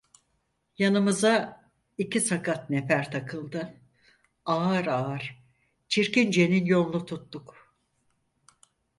Yanımıza iki sakat nefer takıldı, ağır ağır Çirkince'nin yolunu tuttuk.